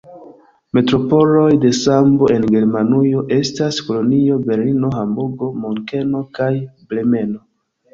Metropoloj de sambo en Germanujo estas Kolonjo, Berlino, Hamburgo, Munkeno kaj Bremeno.